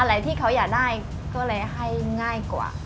อะไรที่เขาอยากได้ก็เลยให้ง่ายกว่า